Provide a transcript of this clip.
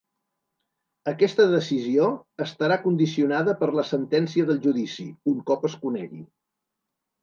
Aquesta decisió estarà condicionada per la sentència del judici, un cop es conegui.